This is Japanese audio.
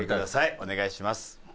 お願いします。